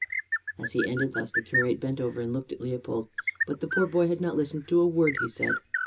As he ended thus, the curate bent over and looked at Leopold. But the poor boy had not listened to a word he said.